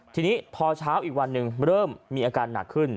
ทีนี้พอเช้าอีกวันหนึ่งเริ่มมีอาการหนักขึ้น